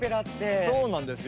そうなんですよ。